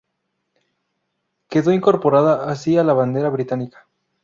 Quedó incorporada así a la bandera británica.